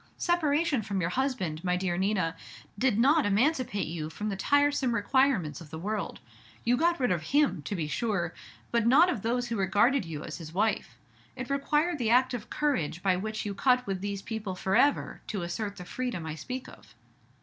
Separation from your husband, my dear Nina, did not emancipate you from the tiresome requirements of the world. You got rid of him, to be sure, but not of those who regarded you as his wife. It required the act of courage by which you cut with these people forever, to assert the freedom I speak of."